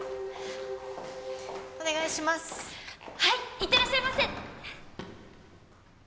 いってらっしゃいませ。